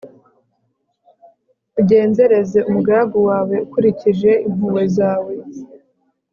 ugenzereze umugaragu wawe ukurikije impuhwe zawe